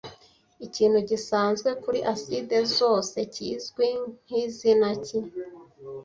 Ikintu gisanzwe kuri acide zose kizwi nkizina ki